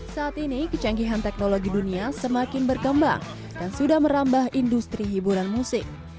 saat ini kecanggihan teknologi dunia semakin berkembang dan sudah merambah industri hiburan musik